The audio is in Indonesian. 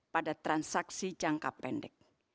pada transaksi jangka pendek